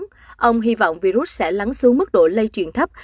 tuy nhiên ông hy vọng virus sẽ lắng xuống mức độ lây truyền thấp